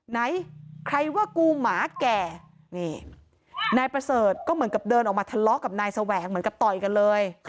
ไหนใครว่ากูหมาแก่นี่นายประเสริฐก็เหมือนกับเดินออกมาทะเลาะกับนายแสวงเหมือนกับต่อยกันเลย